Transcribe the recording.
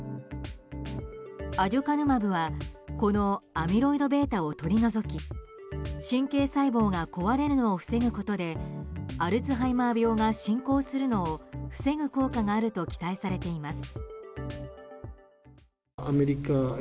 アデュカヌマブはこのアミロイドベータを取り除き神経細胞が壊れるのを防ぐことでアルツハイマー病が進行するのを防ぐ効果があると期待されています。